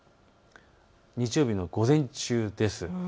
日曜日の午前中です。